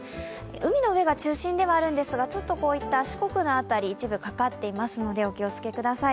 海の上が中心ではあるんですが、四国の辺り、一部かかっていますのでお気を付けください。